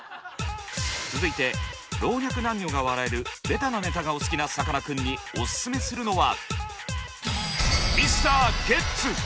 続いて老若男女が笑えるベタなネタがお好きなさかなクンにオススメするのは。